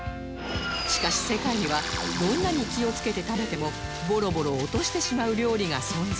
しかし世界にはどんなに気をつけて食べてもボロボロ落としてしまう料理が存在